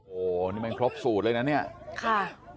โอ้โหนี่มันครบสูตรเลยนะเนี่ยค่ะ